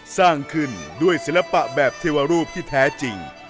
สร้างขึ้นด้วยศิลปะแบบเทวรูปที่แท้จริง